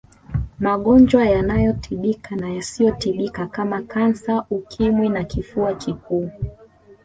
magonjwa yanayotibika na yasiyotibika kama kansa ukimwi na kifua kikuu